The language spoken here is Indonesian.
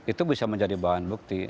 itu bisa menjadi bahan bukti